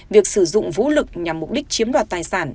việc sử dụng vũ lực nhằm mục đích chiếm đoạt tài sản